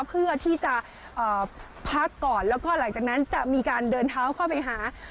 เพื่อที่จะพักก่อนแล้วก็หลังจากนั้นจะมีการเดินเท้าเข้าไปหา